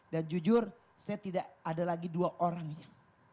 dan jujur saya tidak ada lagi dua orangnya